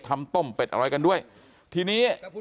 ต้มเป็ดอะไรกันด้วยทีนี้